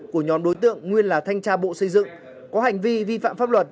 của nhóm đối tượng nguyên là thanh tra bộ xây dựng có hành vi vi phạm pháp luật